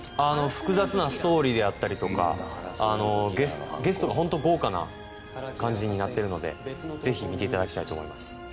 複雑なストーリーであったりとかゲストが本当に豪華な感じになっているのでぜひ見ていただきたいと思います。